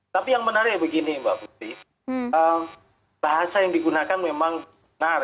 tapi yang menarik begini mbak putri bahasa yang digunakan memang benar